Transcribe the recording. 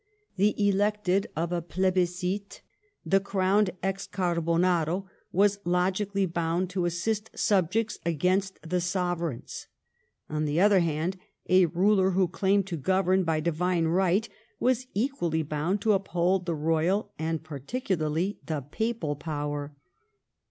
The elected of a plebiscite, the crowned ex Oarbonaro, was logically bound to assist subjects against the sovereigns, on the other hand, a ruler who claimed to govern by Divine right, was equally bound to uphold the royal, and particularly the Papal, power.